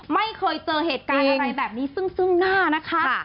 ไม่เคยเจอเหตุการณ์อะไรแบบนี้ซึ่งหน้านะคะ